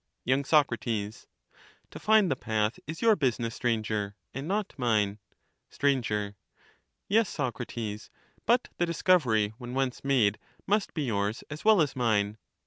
Y. Soc. To find the path is your business, Stranger, and not mine. Str. Yes, Socrates, but the discovery, when once made, must be yours as well as mine.